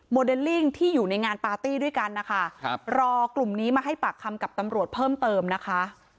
เดลลิ่งที่อยู่ในงานปาร์ตี้ด้วยกันนะคะครับรอกลุ่มนี้มาให้ปากคำกับตำรวจเพิ่มเติมนะคะ